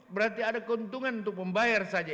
berarti ada keuntungan untuk membayar saja